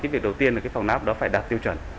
việc đầu tiên là phòng xét nghiệm phải đạt tiêu chuẩn